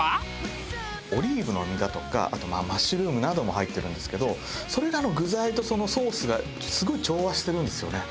オリーブの実だとかあとマッシュルームなども入ってるんですけどそれらの具材とそのソースがすごい調和してるんですよね。